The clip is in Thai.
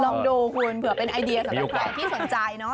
ลองดูคุณเผื่อเป็นไอเดียสำหรับใครที่สนใจเนอะ